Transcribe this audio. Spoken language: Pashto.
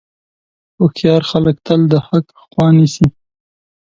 هوښیار خلک تل د حق خوا نیسي.